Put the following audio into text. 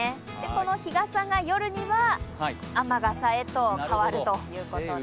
この日ざしが夜には雨傘へと変わるということです。